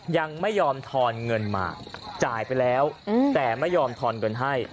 ยังไม่ยอมทอนเงินมาจ่ายไปแล้วแต่ไม่ยอมทอนเงินให้